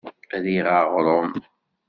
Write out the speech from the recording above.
Riɣ aɣrum.